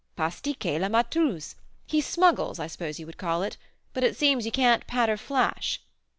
"Pastiquer la maltouze. He smuggles, I suppose you would call it; but it seems you can't 'patter flash?'"